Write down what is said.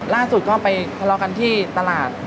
ล่าสุดก็ไปทะเลาะกันที่ตลาด